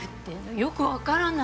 よくわからない。